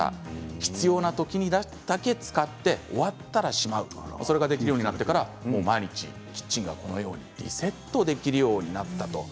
必要な時だけ出して終わったらしまうそれができるようになってから毎日キッチンが、このようにリセットできるようになったと。